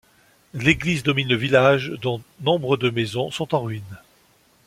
L'église domine le village dont nombre de maisons sont en ruine.